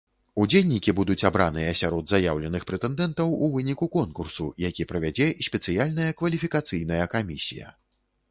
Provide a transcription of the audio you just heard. Удзельнікі будуць абраныя сярод заяўленых прэтэндэнтаў у выніку конкурсу, які правядзе спецыяльная кваліфікацыйная камісія.